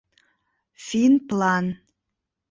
ФИНПЛАН